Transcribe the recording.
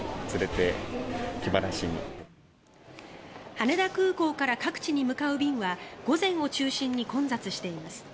羽田空港から各地に向かう便は午前を中心に混雑しています。